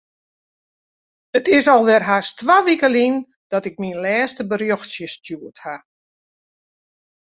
It is alwer hast twa wike lyn dat ik myn lêste berjochtsje stjoerd haw.